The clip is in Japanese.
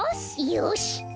よし！